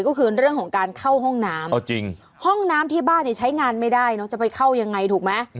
ก็คือเรื่องของการเข้าห้องน้ำห้องน้ำที่บ้านเนี่ยใช้งานไม่ได้เนอะจะไปเข้ายังไงถูกไหม